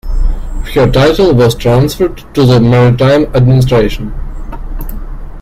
Her title was transferred to the Maritime Administration.